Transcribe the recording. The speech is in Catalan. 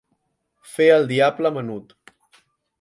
Fer el diable menut.